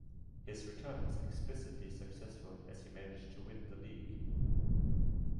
His return was explicitly successful as he managed to win the league.